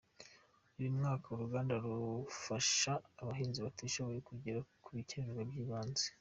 Buri mwaka uruganda rufasha abahinzi batishoboye kugera ku bikenerwa by’ibanze.